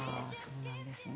そうなんですね。